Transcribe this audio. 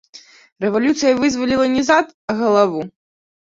Рэвалюцыя вызваліла не зад, а галаву.